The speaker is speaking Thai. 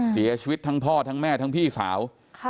เสียชีวิตทั้งพ่อทั้งแม่ทั้งพี่สาว